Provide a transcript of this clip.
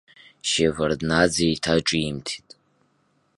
Шьеварднаӡе еиҭа ҿимҭит.